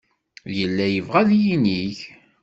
Yella yebɣa ad yinig.